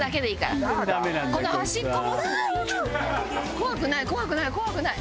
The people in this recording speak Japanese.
怖くない怖くない怖くない。